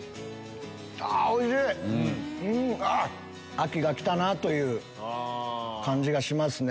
秋が来たなという感じがしますね。